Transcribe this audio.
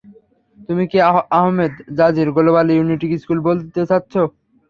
তুমি কি Ahmed Jazir global unity school বলতে চাচ্ছ?